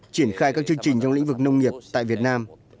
triển khai các chương trình trong lĩnh vực nông nghiệp tại việt nam